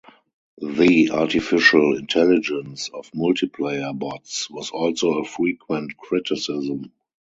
The artificial intelligence of multiplayer bots was also a frequent criticism.